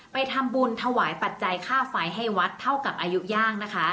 ไปทำบุญถวายปัจจัยค่าไฟให้วัดเท่ากับอายุย่างนะคะ